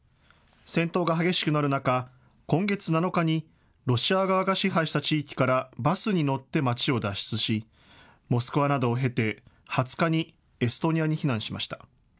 戦闘が激しくなる中、今月７日にロシア側が支配した地域からバスに乗って町を脱出しモスクワなどを経て２０日にエストニアに避難しました。